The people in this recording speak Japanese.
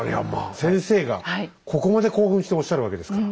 先生がここまで興奮しておっしゃるわけですから。